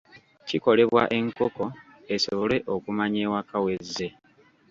Kikolebwa enkoko esobole okumanya ewaka w'ezze.